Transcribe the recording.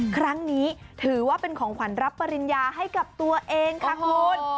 ครั้งนี้ถือว่าเป็นของขวัญรับปริญญาให้กับตัวเองค่ะคุณ